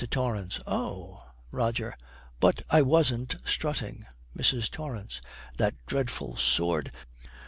TORRANCE. 'Oh!' ROGER. 'But I wasn't strutting.' MRS. TORRANCE. 'That dreadful sword!